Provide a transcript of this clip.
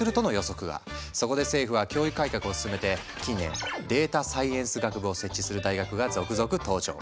そこで政府は教育改革を進めて近年データサイエンス学部を設置する大学が続々登場。